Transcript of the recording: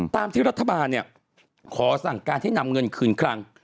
ตามที่รัฐบาลเนี่ยขอสั่งการให้นำเงินคืนคลัง